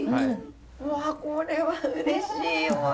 うわこれはうれしいお味。